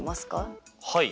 はい。